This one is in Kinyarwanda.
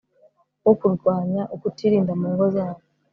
wo kurwanya ukutirinda mu ngo zabo